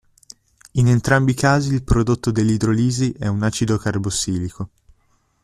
In entrambi i casi il prodotto dell'idrolisi è un acido carbossilico.